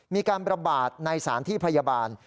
มีการประบาดในสารที่พยาบาล